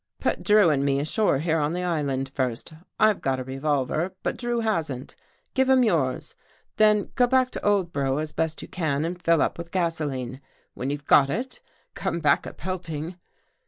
" Put Drew and me ashore here on the island first. I've got a revolver, but Drew hasn't. Give him 279 THE GHOST GIRL yours. Then go back to Oldborough as best you can and fill up with gasoline. When you've got it, come back a pelting."